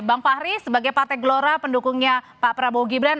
bang fahri sebagai partai gelora pendukungnya pak prabowo gibran